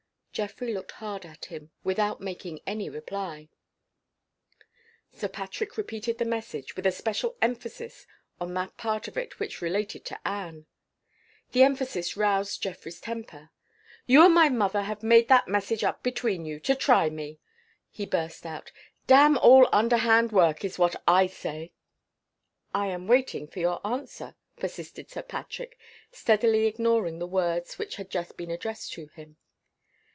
Geoffrey looked hard at him, without making any reply. Sir Patrick repeated the message with a special emphasis on that part of it which related to Anne. The emphasis roused Geoffrey's temper. "You and my mother have made that message up between you, to try me!" he burst out. "Damn all underhand work is what I say!" "I am waiting for your answer," persisted Sir Patrick, steadily ignoring the words which had just been addressed to him.